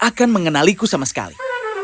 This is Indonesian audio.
akan mengenaliku sama sekali